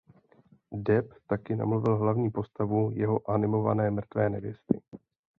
Depp taky namluvil hlavní postavu jeho animované "Mrtvé nevěsty".